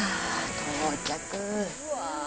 到着。